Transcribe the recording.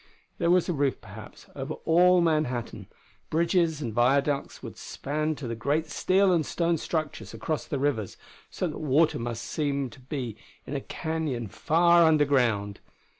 There was a roof, perhaps, over all Manhattan. Bridges and viaducts would span to the great steel and stone structures across the rivers, so that water must seem to be in a canyon far underground.